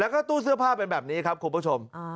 แล้วก็ตู้เสื้อผ้าเป็นแบบนี้ครับคุณผู้ชม